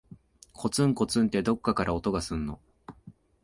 こつんこつんって、どっかから音がすんの。